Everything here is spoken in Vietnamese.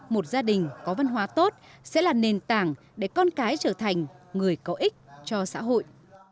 một gia đình có văn hóa tốt sẽ là nền tảng để con cái trở thành người có ích cho xã hội